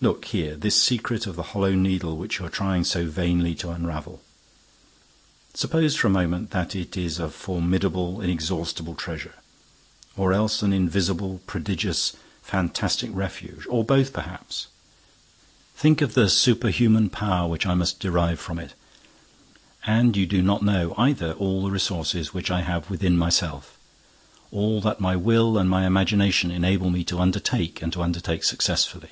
Look here, this secret of the Hollow Needle which you are trying so vainly to unravel: suppose, for a moment, that it is a formidable, inexhaustible treasure—or else an invisible, prodigious, fantastic refuge—or both perhaps. Think of the superhuman power which I must derive from it! And you do not know, either, all the resources which I have within myself—all that my will and my imagination enable me to undertake and to undertake successfully.